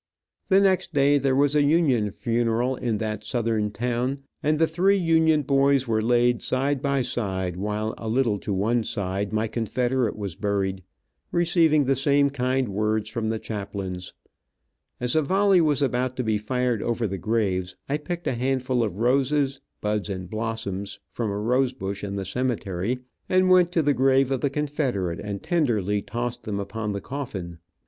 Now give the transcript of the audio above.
The next day there was a Union funeral in that Southern town, and the three Union boys were laid side by side, while a little, to one side my Confederate was buried, receiving the same kind words from the chaplains. As a volley was about to be fired over the graves, I picked a handful of roses, buds and blossoms, from a rose bush in the cemetery, and went to the grave of the Confederate and tenderly tossed them upon the coffin.